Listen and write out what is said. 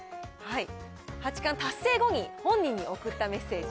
八冠達成後に、本人に送ったメッセージ。